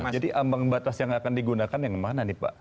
jadi ambang batas yang akan digunakan yang mana nih pak